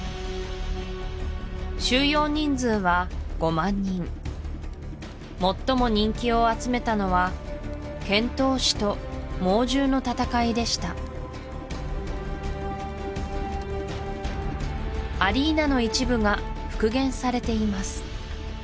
収容人数は５万人最も人気を集めたのは剣闘士と猛獣の戦いでしたアリーナの一部が復元されています